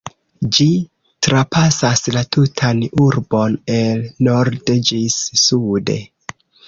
Ĝi trapasas la tutan urbon, el norde ĝis sude.